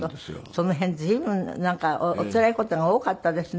その辺随分おつらい事が多かったですね。